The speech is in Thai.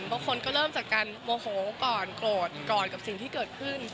บางคนก็เริ่มจากการโมโหก่อนโกรธก่อนกับสิ่งที่เกิดขึ้น